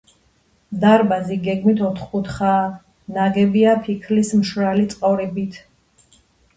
დარბაზი გეგმით ოთხკუთხაა, ნაგებია ფიქლის მშრალი წყობით.